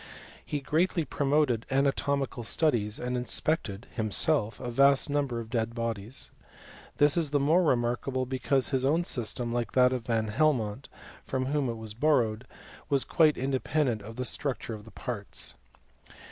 He greatly promoted anatomical studies, and inspected, himself, a vast number of dead bodies. This is the more re markable, because his own system, like that of Van Helmont, from whom it was borrowed, was quite in dependent of the structure of the parts.